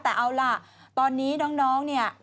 แต่เอาล่ะตอนนี้น้องเนี่ย